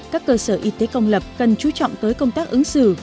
các cơ sở y tế công lập cần chú trọng tới công tác ứng xử